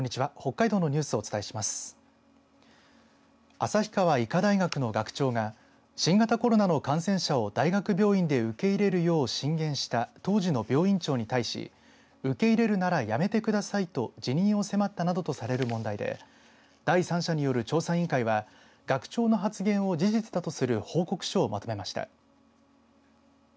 旭川医科大学の学長が新型コロナの感染者を大学病院で受け入れるよう進言した当時の病院長に対し受け入れるならやめてくださいと辞任を迫ったなどとされる問題で第三者による調査委員会は学長の発言を事実だとする報告書をまとめました。